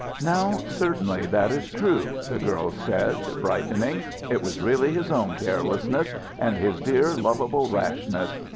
"Now, certainly that is true," the girl said, brightening. "It was really his own carelessness, and his dear, lovable rashness.